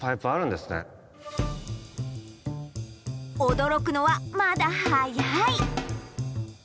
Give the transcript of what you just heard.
驚くのはまだ早い。